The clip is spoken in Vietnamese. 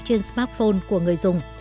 trên smartphone của người dùng